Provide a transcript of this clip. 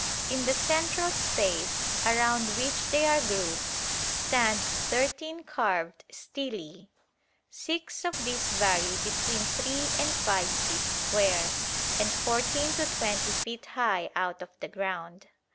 In the central space around which they are grouped stand thirteen carved stelae. Six of these vary between 3 and 5 feet square, and 14 to 20 feet high out of the ground.